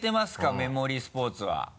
メモリースポーツは。